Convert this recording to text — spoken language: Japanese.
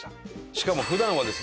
しかも普段はですね